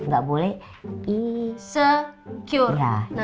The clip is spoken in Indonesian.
gak boleh insecure